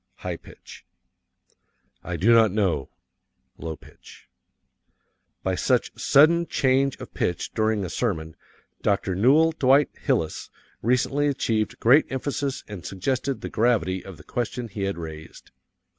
(High pitch) ||| I do not know." (Low pitch) By such sudden change of pitch during a sermon Dr. Newell Dwight Hillis recently achieved great emphasis and suggested the gravity of the question he had raised.